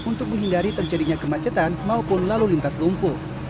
untuk menghindari terjadinya kemacetan maupun lalu lintas lumpuh